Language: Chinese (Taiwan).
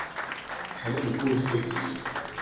成語故事集